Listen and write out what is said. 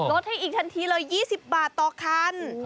ลดให้อีกทันทีเลย๒๐บาทต่อคัน